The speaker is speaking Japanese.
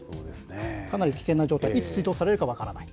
かなり危険な状態、いつ追突されるか分からない。